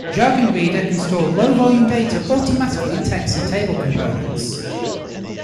Jargon Reader can store low-volume data automatically in text and table components.